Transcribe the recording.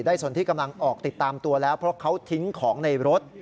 สนที่กำลังออกติดตามตัวแล้วเพราะเขาทิ้งของในรถ